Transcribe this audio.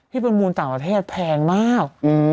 ประมูลต่างประเทศแพงมาก